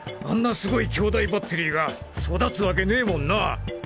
スゴい兄弟バッテリーが育つわけねぇもんなぁ！